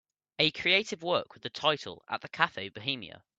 Acreative work with the title At the Cafe Bohemia